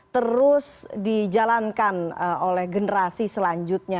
terus dijalankan oleh generasi selanjutnya